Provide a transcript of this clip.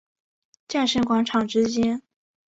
战神广场之间。